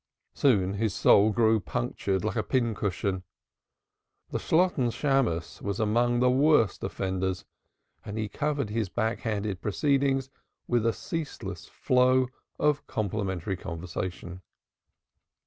Soon his soul grew punctured like a pin cushion. The Shalotten Shammos was among the worst offenders, and he covered his back handed proceedings with a ceaseless flow of complimentary conversation.